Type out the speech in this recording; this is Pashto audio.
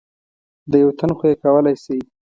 د یو تن خو یې کولای شئ .